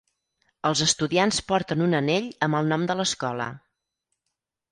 Els estudiants porten un anell amb el nom de l'escola.